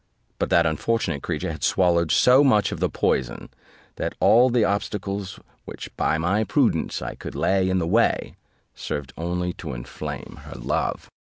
But that unfortunate creature had swallowed so much of the poison, that all the obstacles which by my prudence I could lay in the way served only to inflame her love.